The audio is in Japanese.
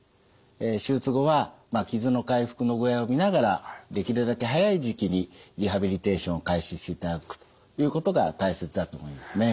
手術後は傷の回復の具合を見ながらできるだけ早い時期にリハビリテーションを開始していただくということが大切だと思いますね。